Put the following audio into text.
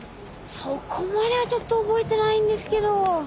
そこまではちょっと覚えてないんですけど。